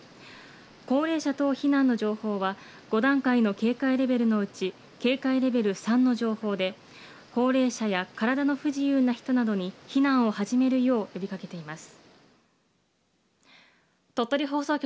高齢者等避難の情報は５段階の警戒レベルのうち警戒レベル３の情報で、高齢者や体の不自由な人に避難を始めるよう呼びかけています。